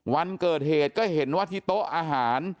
วันเกิดเหตุก็เห็นว่าที่โต๊ะอาหาร